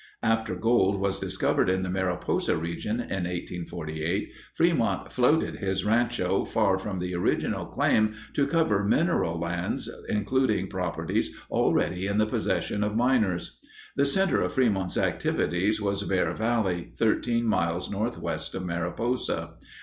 After gold was discovered in the Mariposa region in 1848, Frémont "floated" his rancho far from the original claim to cover mineral lands including properties already in the possession of miners. The center of Frémont's activities was Bear Valley, thirteen miles northwest of Mariposa.